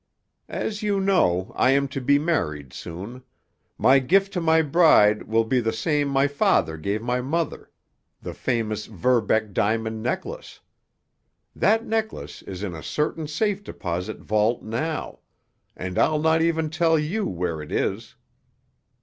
"As you know, I am to be married soon. My gift to my bride will be the same my father gave my mother—the famous Verbeck diamond necklace. That necklace is in a certain safe deposit vault now, and I'll not even tell you where it is."